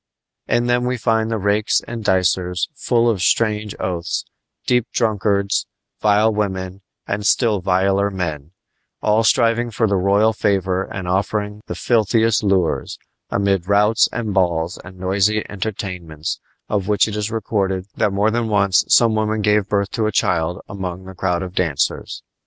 In them we find the rakes and dicers, full of strange oaths, deep drunkards, vile women and still viler men, all striving for the royal favor and offering the filthiest lures, amid routs and balls and noisy entertainments, of which it is recorded that more than once some woman gave birth to a child among the crowd of dancers.